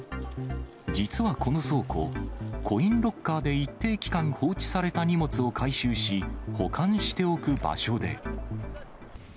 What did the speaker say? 実はこの倉庫、コインロッカーで一定期間、放置された荷物を回収し、保管しておく場所で。